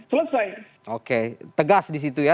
selesai oke tegas di situ ya